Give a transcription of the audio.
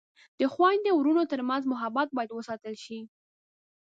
د خویندو او ورونو ترمنځ محبت باید وساتل شي.